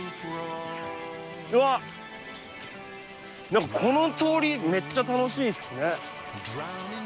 何かこの通りめっちゃ楽しいですね！